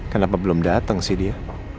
kenapa belum datang sih dia